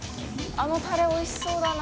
あのタレおいしそうだな。